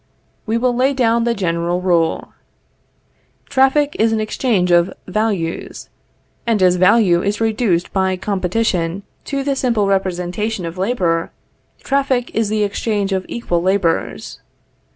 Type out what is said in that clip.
We will lay down the general rule. Traffic is an exchange of values; and as value is reduced by competition to the simple representation of labor, traffic is the exchange of equal labors.